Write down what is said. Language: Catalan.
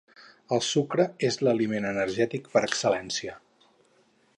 El sucre és l'aliment energètic per excel·lència.